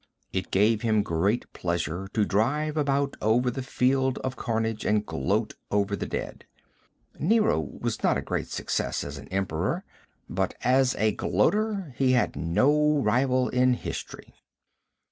It gave him great pleasure to drive about over the field of carnage and gloat over the dead. Nero was not a great success as an Emperor, but as a gloater he has no rival in history.